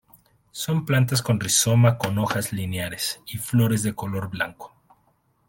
Son plantas con rizoma con hojas lineares y flores de color blanco.